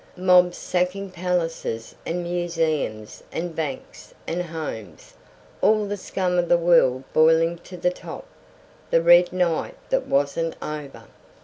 Mobs sacking palaces and museums and banks and homes; all the scum of the world boiling to the top; the Red Night that wasn't over.